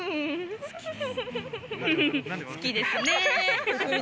好きですね！